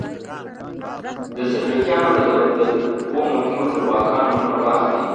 د سلجوقیانو د دوو مهمو ټولواکانو نومونه واخلئ.